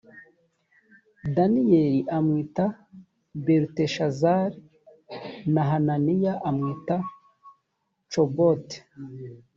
daniyeli amwita beluteshazari na hananiya amwita cobote.